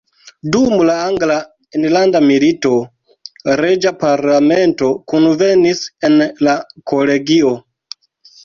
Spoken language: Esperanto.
Dum la Angla enlanda milito reĝa parlamento kunvenis en la kolegio.